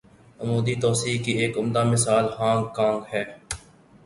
عمودی توسیع کی ایک عمدہ مثال ہانگ کانگ ہے۔